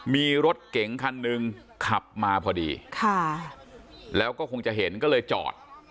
มีรถเก๋งคันหนึ่งขับมาพอดีค่ะแล้วก็คงจะเห็นก็เลยจอด